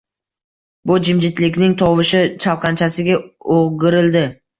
Bu — jimjitlikning tovushi! Chalqanchasiga oʼgirildi.